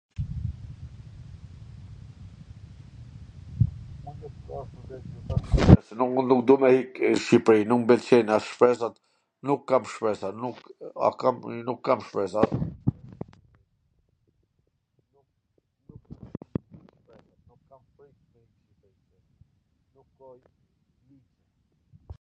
un nuk du me ik n Shqipri, nuk m pwlqen as shpresa, nuk kam shpresa, nuk..., a kam...., nuk kam shpresa